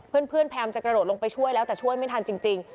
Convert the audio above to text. พยายามจะกระโดดลงไปช่วยแล้วแต่ช่วยไม่ทันจริง